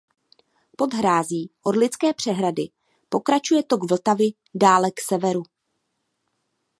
Pod hrází Orlické přehrady pokračuje tok Vltavy dále k severu.